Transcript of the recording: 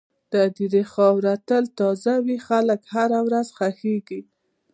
د هدیرې خاوره تل تازه وي، خلک هره ورځ ښخېږي.